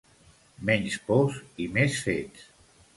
Menys pors i més fets